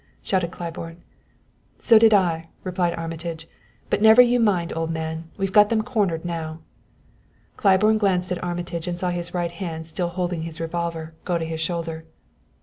shouted Claiborne. "So did I," replied Armitage; "but never you mind, old man, we've got them cornered now." Claiborne glanced at Armitage and saw his right hand, still holding his revolver, go to his shoulder.